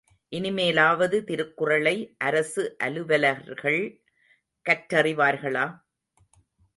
இனிமேலாவது திருக்குறளை அரசு அலுவலர்கள் கற்றறிவார்களா?